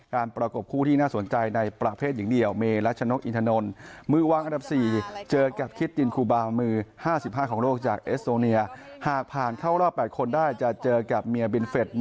การประกบคู่ที่น่าสนใจในประเภทอย่างเดียว